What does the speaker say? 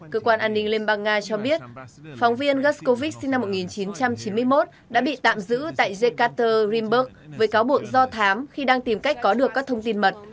cơ quan an ninh liên bang nga cho biết phóng viên gascowk sinh năm một nghìn chín trăm chín mươi một đã bị tạm giữ tại jecater dreamberg với cáo buộc do thám khi đang tìm cách có được các thông tin mật